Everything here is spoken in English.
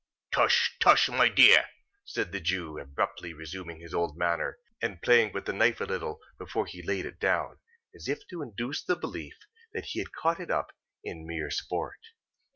"Tush, tush, my dear!" said the Jew, abruptly resuming his old manner, and playing with the knife a little, before he laid it down; as if to induce the belief that he had caught it up, in mere sport.